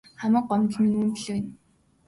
Хамаг гомдол минь үүнд л байна.